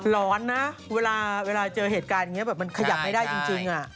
ร้อนนะเวลาเจอเหตุการณ์อย่างนี้แบบมันขยับไม่ได้จริง